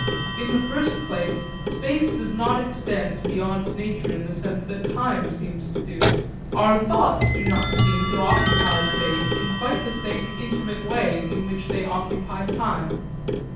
In the first place space does not extend beyond nature in the sense that time seems to do. Our thoughts do not seem to occupy space in quite the same intimate way in which they occupy time.